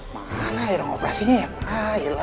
mana ya ruang operasinya ya